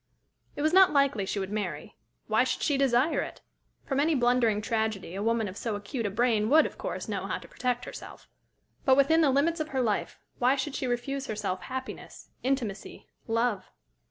It was not likely she would marry. Why should she desire it? From any blundering tragedy a woman of so acute a brain would, of course, know how to protect herself. But within the limits of her life, why should she refuse herself happiness, intimacy, love?